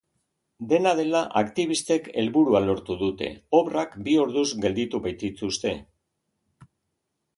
Dena dela, aktibistek helburua lortu dute, obrak bi orduz gelditu baitituzte.